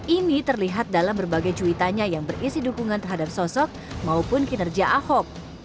ini terlihat dalam berbagai cuitannya yang berisi dukungan terhadap sosok maupun kinerja ahok